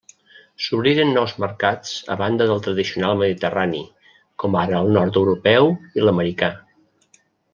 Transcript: S'obriren nous mercats, a banda del tradicional mediterrani, com ara el nord-europeu i l'americà.